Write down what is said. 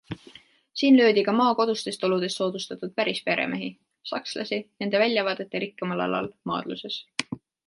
Siin löödi ka maa kodustest oludest soodustatud pärisperemehi - sakslasi, nende väljavaadete rikkamal alal - maadluses.